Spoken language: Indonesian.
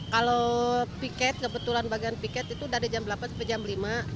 kalau piket kebetulan bagian piket itu dari jam delapan sampai jam lima